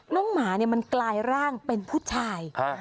หมามันกลายร่างเป็นผู้ชาย